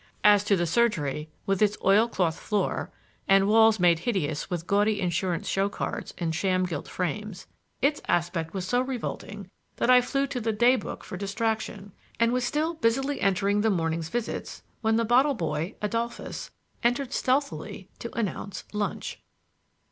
As to the surgery, with its oilcloth floor and walls made hideous with gaudy insurance show cards in sham gilt frames, its aspect was so revolting that I flew to the day book for distraction, and was still busily entering the morning's visits when the bottle boy, Adolphus, entered stealthily to announce lunch.